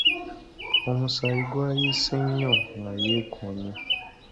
Omusaayi gwayiise nnyo nga yeekoonye.